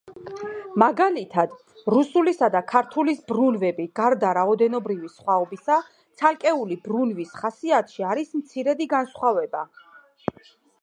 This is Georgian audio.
მაგალითად, რუსულისა და ქართულის ბრუნვები, გარდა რაოდენობრივი სხვაობისა, ცალკეული ბრუნვის ხასიათში არის მცირედი განსხვავება.